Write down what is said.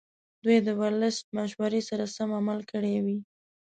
دوی د ورلسټ مشورې سره سم عمل کړی وي.